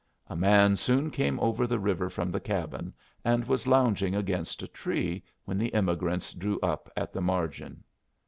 A man soon came over the river from the cabin, and was lounging against a tree when the emigrants drew up at the margin.